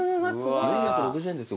４６０円ですよ